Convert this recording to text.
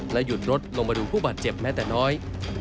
หยุดรถลงมาดูผู้บาดเจ็บแม้แต่น้อย